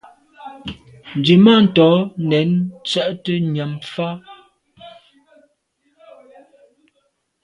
Nzwimàntô nèn ntse’te nyàm fa.